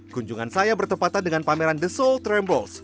kunjungan saya bertepatan dengan pameran the soul trambles